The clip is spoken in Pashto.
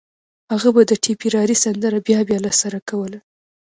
هغه به د ټيپيراري سندره بيا بيا له سره کوله